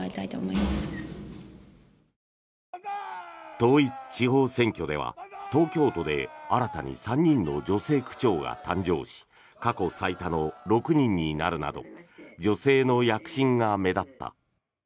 統一地方選挙では、東京都で新たに３人の女性区長が誕生し過去最多の６人になるなど女性の躍進が目立った。